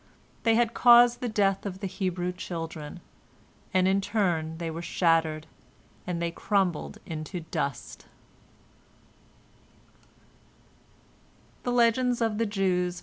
They had caused the death of the Hebrew children, and in turn they were shattered, and they crumbled into dust."